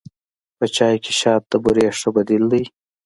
په چای کې شات د بوري ښه بدیل دی.